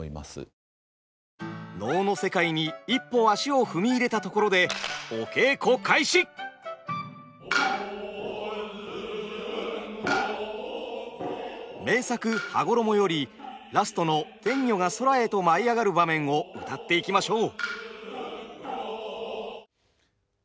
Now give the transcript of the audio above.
能の世界に一歩足を踏み入れたところで名作「羽衣」よりラストの天女が空へと舞い上がる場面を謡っていきましょう。